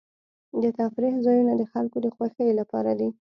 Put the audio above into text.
د تفریح ځایونه د خلکو د خوښۍ لپاره دي.